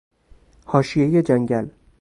حاشیهی جنگل